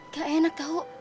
gak enak tau